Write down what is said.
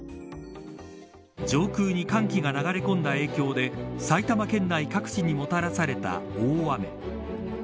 上空に寒気が流れこんだ影響で埼玉県内各地にもたらされた大雨。